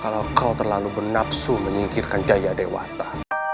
kalau kau terlalu bernapsu menyingkirkan jaya dewata